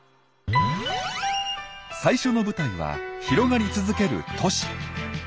最初の舞台は広がり続ける都市。